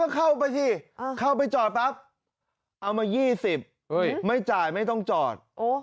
เข้าไปสิเข้าไปจอดปั๊บเอามา๒๐ไม่จ่ายไม่ต้องจอด